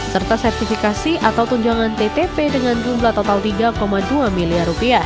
serta sertifikasi atau tunjangan ttp dengan jumlah total rp tiga dua miliar